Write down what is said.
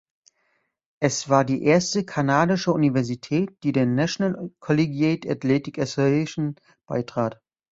Es war die erste kanadische Universität, die der National Collegiate Athletic Association beitrat.